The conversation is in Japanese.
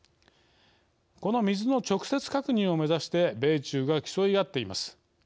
この水の直接確認を目指して米中が競い合っています。